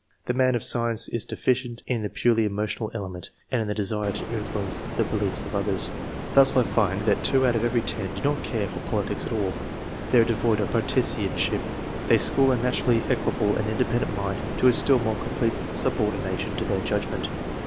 The man of science is deficient in the purely emo tional element, and in' the desire to influence the beliefs of others. Thus I find that 2 out of every 10 do not care for politics at aU ; they are devoid of partisanship. They school a naturally equable and independent mind to a still more complete subordination to their judgment.